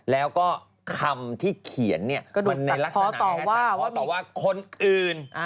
แล้วก็คำที่เขียนมันในลักษณะให้ตัดพอต่อว่าคนอื่น